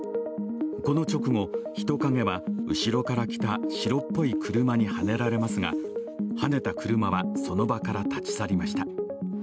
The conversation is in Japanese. この直後、人影は後ろから来た白っぽい車にはねられますがはねた車はその場から立ち去りました。